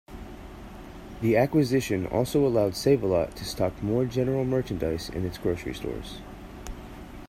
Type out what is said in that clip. The acquisition also allowed Save-A-Lot to stock more general merchandise in its grocery stores.